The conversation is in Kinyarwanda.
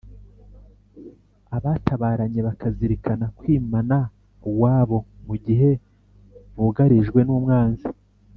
abatabaranye bakazirikana kwimana uwabo mu gihe bugarijwe n umwanzi